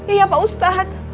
iya pak ustadz